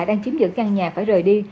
đang chiếm giữ căn nhà phải rời đi